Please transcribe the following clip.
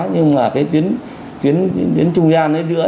nhưng mà cái chuyến trung gian ở giữa